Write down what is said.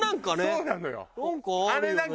そうなのよ。